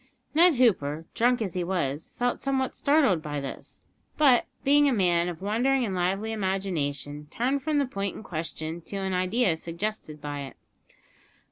Ned Hooper, drunk as he was, felt somewhat startled by this, but, being a man of wandering and lively imagination, turned from the point in question to an idea suggested by it.